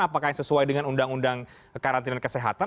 apakah sesuai dengan undang undang karantina kesehatan